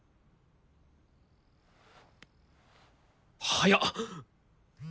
早っ！